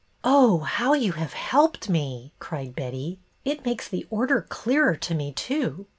"Oh, how you have helped me!" cried Betty. " It makes the Order clearer to me too.